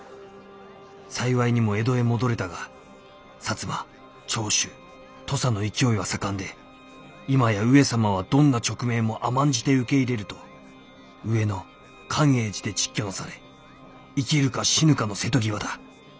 幸いにも江戸へ戻れたが摩長州土佐の勢いは盛んで今や上様はどんな勅命も甘んじて受け入れると上野寛永寺で蟄居なされ生きるか死ぬかの瀬戸際だ」。